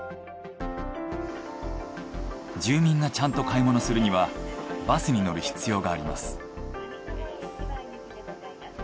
住民がちゃんと買い物するにはバスに乗る必要があります。